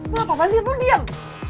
lo apa masir lo diam